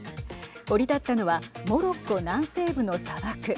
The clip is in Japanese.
降り立ったのはモロッコ南西部の砂漠。